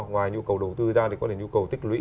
ngoài nhu cầu đầu tư ra thì có thể nhu cầu tích lũy